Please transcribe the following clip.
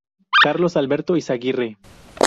Carlos Alberto Izaguirre.